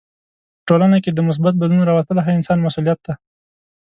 په ټولنه کې د مثبت بدلون راوستل هر انسان مسولیت دی.